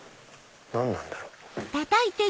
何なんだろう？